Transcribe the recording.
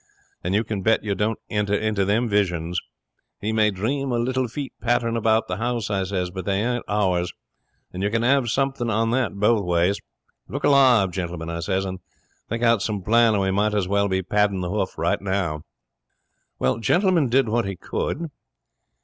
And you can bet we don't enter into them visions. He may dream of little feet pattering about the house," I says, "but they aren't ours; and you can 'ave something on that both ways. Look alive, Gentleman," I says, "and think out some plan, or we might as well be padding the hoof now." 'Well, Gentleman did what he could.